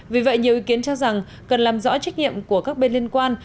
vì vậy nhiều ý kiến cho rằng cần làm rõ trách nhiệm của các bên liên quan